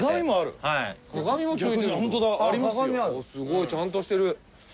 すごい。ちゃんとしてる。